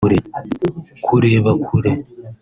kureba kure